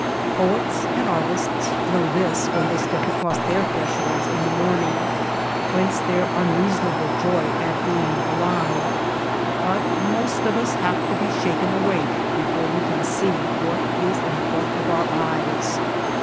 Poets and artists know this when they step across their thresholds in the morning — whence their unreasonable joy at being alive — but most of us have to be shaken awake before we can see what is in front of our eyes.